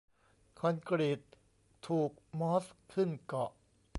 คอนกรีตถูกมอสขึ้นเกาะ